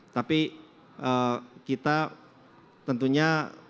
tapi kita tentunya